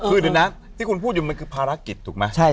คือเดี๋ยวนะที่คุณพูดอยู่มันคือภารกิจถูกไหม